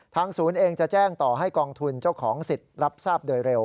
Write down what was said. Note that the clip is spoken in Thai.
ศูนย์เองจะแจ้งต่อให้กองทุนเจ้าของสิทธิ์รับทราบโดยเร็ว